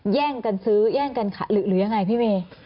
แย่งกันซื้อแย่งกันหรือยังไงพี่เวย์